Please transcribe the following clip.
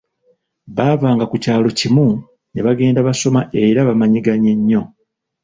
Baavanga ku kyalo kimu ne bagenda basoma era nga bamanyiganye nnyo.